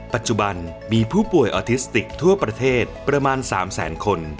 ปัจจุบันมีผู้ป่วยออทิสติกทั่วประเทศประมาณ๓แสนคน